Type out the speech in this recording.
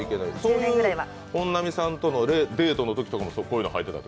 本並さんとのデートのときもこういうのをはいてたと？